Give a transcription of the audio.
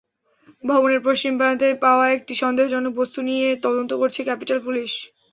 ভবনের পশ্চিম প্রান্তে পাওয়া একটি সন্দেহজনক বস্তু নিয়ে তদন্ত করছে ক্যাপিটল পুলিশ।